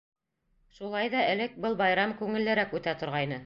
Шулай ҙа элек был байрам күңеллерәк үтә торғайны.